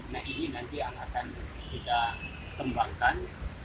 nah ini nanti akan kita tembakan